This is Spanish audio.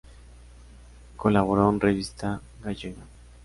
Colaboró en "Revista Gallega.